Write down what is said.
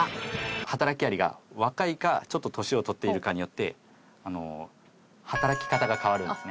働きアリが若いかちょっと年を取っているかによって働き方が変わるんですね。